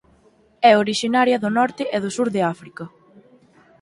É orixinaria do norte e do sur de África.